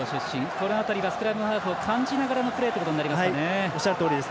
この辺りはスクラムハーフを感じながらというプレーになりますね。